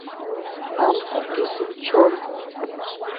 Амцхәгьы сыччон.